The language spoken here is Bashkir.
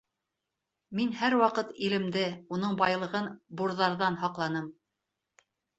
Мин һәр ваҡыт илемде, уның байлығын бурҙарҙан һаҡланым!